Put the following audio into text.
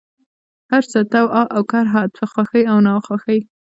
هرڅه، طوعا اوكرها ، په خوښۍ او ناخوښۍ،